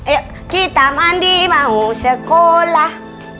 ayo kita mandi mau sekolah